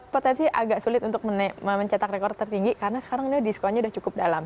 potensi agak sulit untuk mencetak rekor tertinggi karena sekarang ini diskonnya sudah cukup dalam